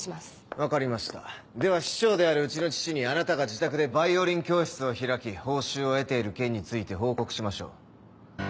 分かりましたでは市長であるうちの父にあなたが自宅でヴァイオリン教室を開き報酬を得ている件について報告しましょう。